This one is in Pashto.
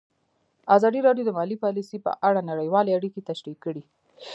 ازادي راډیو د مالي پالیسي په اړه نړیوالې اړیکې تشریح کړي.